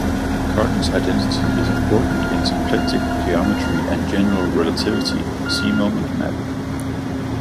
Cartan's identity is important in symplectic geometry and general relativity: see moment map.